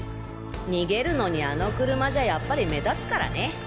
逃げるのにあの車じゃやっぱり目立つからね。